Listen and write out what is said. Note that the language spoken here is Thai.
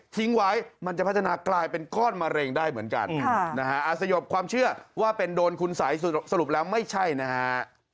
ทิ้งไว้มันจะพัฒนากลายเป็นก้อนมะเร็งได้เหมือนกันนะฮะสยบความเชื่อว่าเป็นโดนคุณสัยสรุปแล้วไม่ใช่นะฮะ